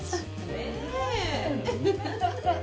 ねえ！